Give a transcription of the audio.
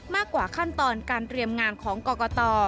มากกว่าขั้นตอนการเตรียมงานของกรกต